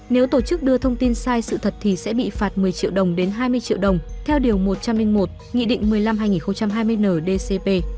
nếu tổ chức đưa thông tin sai sự thật thì sẽ bị phạt một mươi triệu đồng đến hai mươi triệu đồng theo điều một trăm linh một nghị định một mươi năm hai nghìn hai mươi ndcp